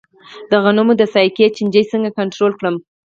د غنمو د ساقې چینجی څنګه کنټرول کړم؟